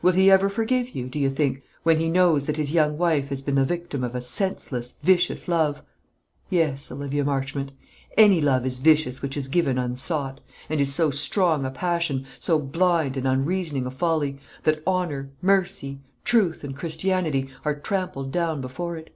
Will he ever forgive you, do you think, when he knows that his young wife has been the victim of a senseless, vicious love? Yes, Olivia Marchmont; any love is vicious which is given unsought, and is so strong a passion, so blind and unreasoning a folly, that honour, mercy, truth, and Christianity are trampled down before it.